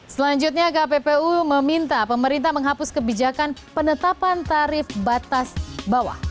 selanjutnya kppu meminta pemerintah menghapus kebijakan penetapan tarif batas bawah